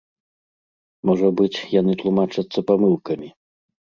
Можа быць, яны тлумачацца памылкамі.